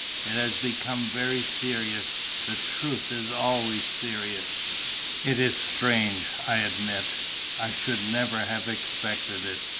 It has become very serious: the truth is always serious. It is strange, I admit: I should never have expected it.